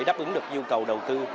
đáp ứng được nhu cầu đầu tư